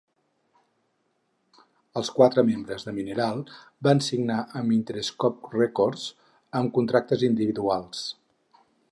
Els quatre membres de Mineral van signar amb Interscope Records amb contractes individuals.